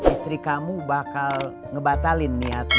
istri kamu bakal ngebatalin niatmu